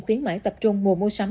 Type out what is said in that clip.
khuyến mại tập trung mùa mua sắm